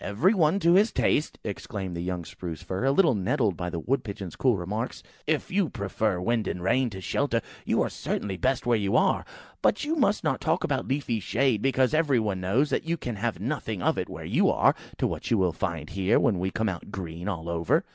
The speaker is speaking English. "Every one to his taste," exclaimed the young Spruce fir, a little nettled by the Wood pigeons' cool remarks; "if you prefer wind and rain to shelter, you are certainly best where you are. But you must not talk about leafy shade, because every one knows that you can have nothing of it where you are, to what you will find here, when we come out green all over."